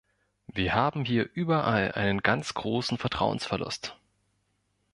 Wir haben hier überall einen ganz großen Vertrauensverlust.